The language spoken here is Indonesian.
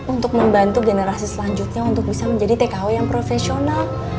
untuk membantu generasi selanjutnya untuk bisa menjadi tkw yang profesional